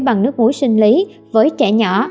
bằng nước mũi sinh lý với trẻ nhỏ